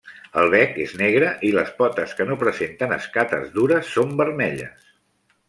El bec és negre i les potes que no presenten escates dures són vermelles.